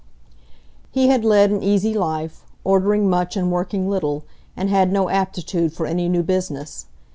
He had led an easy life, ordering much and working little, and had no aptitude for any new business.